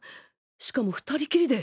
しかも２人きりで